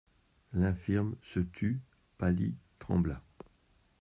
L'infirme se tut, pâlit, trembla.